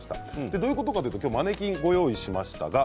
どういうことかというとマネキンをご用意しました。